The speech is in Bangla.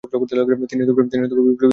তিনি বিপ্লবী দলের কর্মী ছিলেন।